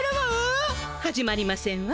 始まりませんわ。